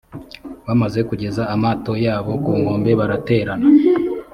bamaze kugeza amato yabo ku nkombe, baraterana.